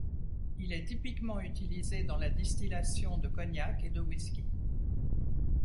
Il est typiquement utilisé dans la distillation de cognac et de whisky.